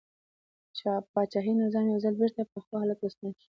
پاچاهي نظام یو ځل بېرته پخوا حالت ته ستون شو.